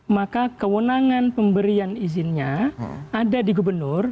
maka kewenangan pemberian izinnya ada di gubernur